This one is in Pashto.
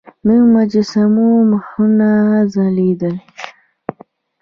د مجسمو مخونه ځلیدل